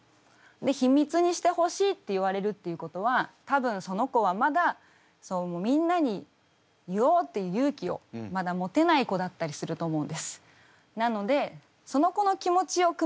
「秘密にしてほしい」って言われるっていうことは多分その子はまだみんなに言おうっていう勇気をまだ持てない子だったりすると思うんです。